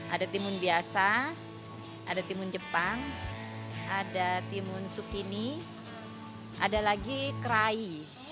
ada timun biasa ada timun jepang ada timun sukini ada lagi kerai